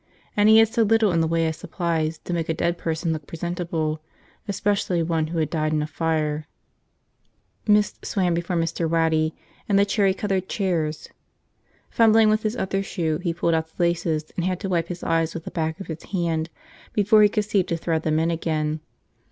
And he had so little in the way of supplies to make a dead person look presentable, especially one who had died in a fire. ... Mist swam between Mr. Waddy and the cherry colored chairs. Fumbling with his other shoe, he pulled out the laces and had to wipe his eyes with the back of his hand before he could see to thread them in again.